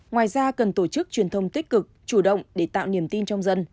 ngoài ra cần tổ chức truyền thông tích cực chủ động để tạo niềm tin trong dân